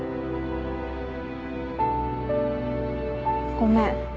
ごめん。